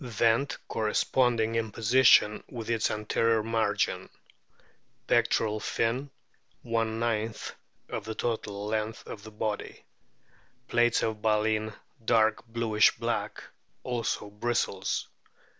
Vent corresponding in position with its anterior margin. Pectoral fin \ of total length of body. Plates of baleen dark bluish black, also bristles.